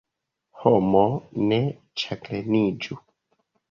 Homo, ne ĉagreniĝu!